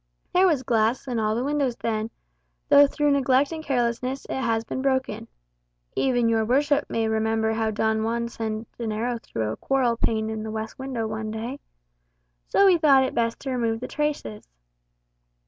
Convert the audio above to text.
There was glass in all the windows then, though through neglect and carelessness it has been broken (even your worship nay remember how Don Juan sent an arrow through a quarrel pane in the west window one day), so we thought it best to remove the traces."